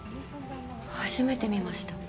初めて見ました。